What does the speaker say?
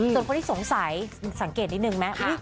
ส่วนคนที่สงสัยสังเกตนิดนึงไหม